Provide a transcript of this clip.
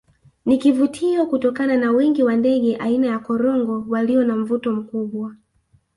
Ni kivutio kutokana na wingi wa ndege aina ya korongo walio na mvuto mkubwa